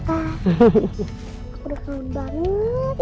aku udah kangen banget